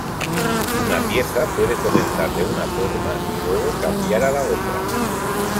Una pieza puede comenzar de una forma y luego cambiar a la otra.